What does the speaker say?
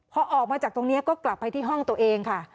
พอออกมาจากตรงนี้ก็กลับไปที่ห้องตัวเองค่ะ